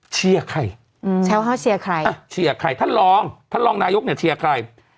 เชียร์ใครอืมแชร์ว่าเชียร์ใครอ่ะเชียร์ใครท่านรองท่านรองนายกเนี่ยเชียร์ใคร